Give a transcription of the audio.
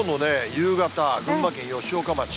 夕方、群馬県吉岡町。